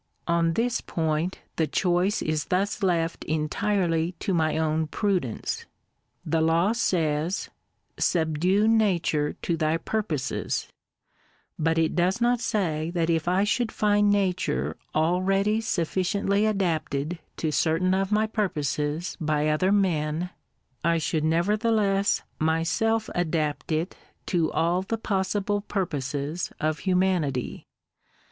On this point the choice is thus left entirely to my own prudence. The law says, —" Subdue Nature to thy purposes ;"— but it does not say that if I should find Nature already sufficiently adapted to certain of my purposes by other men, I should nevertheless myself adapt it to all the possible purposes of humanity.